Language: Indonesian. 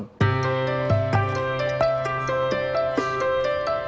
pertama saya akan membuatnya